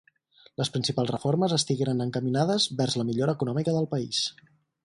Les principals reformes estigueren encaminades vers la millora econòmica del país.